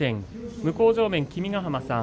向正面、君ヶ濱さん